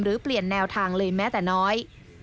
หรือเปลี่ยนแนวทางเลยแม้แต่น้อย